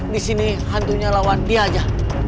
disini hantunya lawan dia aja